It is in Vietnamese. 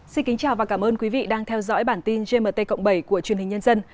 xin kính chào và cảm ơn quý vị đang theo dõi bản tin gmt cộng bảy của truyền hình nhân dân